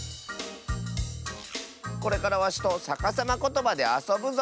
これからわしとさかさまことばであそぶぞよ。